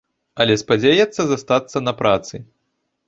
Але спадзяецца застацца на працы.